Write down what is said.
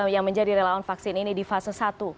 yang menjadi relawan vaksin ini di fase satu